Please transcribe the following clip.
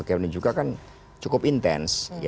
karena ini juga kan cukup intens